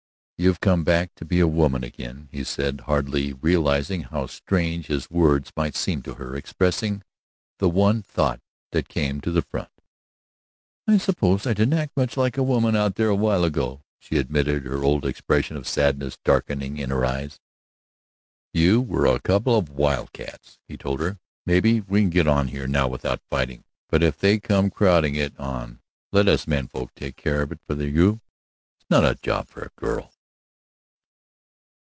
"You've come back to be a woman again," he said, hardly realizing how strange his words might seem to her, expressing the one thought that came to the front. "I suppose I didn't act much like a woman out there a while ago," she admitted, her old expression of sadness darkening in her eyes. "You were a couple of wildcats," he told her. "Maybe we can get on here now without fighting, but if they come crowding it on let us men folks take care of it for you; it's no job for a girl."